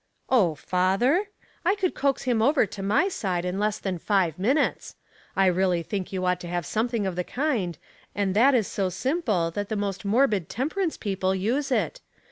'" Oh, father ! I could coax him over to my side in less than five minutes. I really think you ought to have something of the kind, and that is so simple tlint the most morbid temper ance people use it.